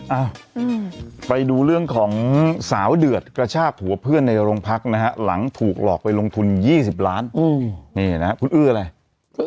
เอ้าไปดูเรื่องของสาวเดือดกระชากหัวเพื่อนในโรงพักนะฮะหลังถูกหลอกไปลงทุน๒๐ล้านนี่นะครับคุณอื้ออะไร